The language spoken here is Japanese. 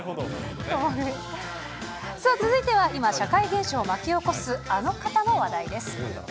さあ続いては、今、社会現象を巻き起こすあの方の話題です。